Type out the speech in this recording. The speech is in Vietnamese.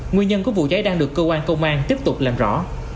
nguyên nhân của vụ cháy đang được cơ quan công an tiếp tục làm rõ